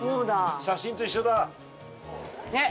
写真と一緒だ！